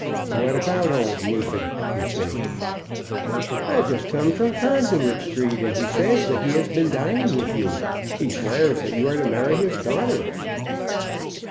"What about old Neefit?" he said. "I've just come from Conduit Street, and he says that he has been dining with you. He swears that you are to marry his daughter."